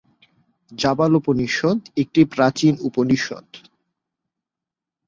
জাবালোপনিষদ্ একটি প্রাচীন উপনিষদ্।